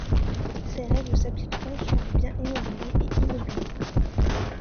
Ces règles s'appliqueront sur les biens mobiliers et immobiliers.